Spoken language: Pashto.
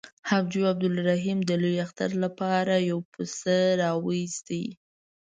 حاجي عبدالرحیم د لوی اختر لپاره یو پسه راووست.